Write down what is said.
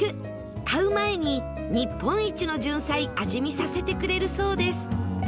買う前に日本一のじゅんさい味見させてくれるそうです